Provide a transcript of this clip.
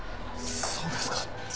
そうですか。